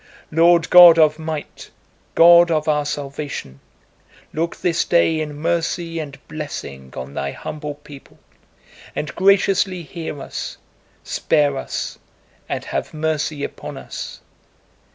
"Lord God of might, God of our salvation! Look this day in mercy and blessing on Thy humble people, and graciously hear us, spare us, and have mercy upon us!